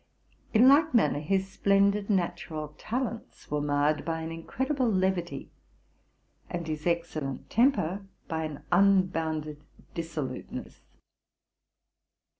In like manner his splendid natural talents were marred by an in credible levity, and his excellent temper by, an unbounded dissoluteness.